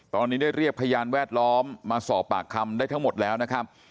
ตอนนี้ได้เรียกพยานแวดล้อมมาสอบปากคำได้ทั้งหมดแล้วนะครับ